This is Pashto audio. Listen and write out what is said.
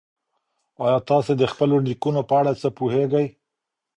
ایا تاسي د خپلو نیکونو په اړه څه پوهېږئ؟